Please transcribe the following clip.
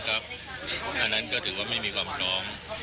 อันนั้นก็ถือว่าไม่มีความพร้อม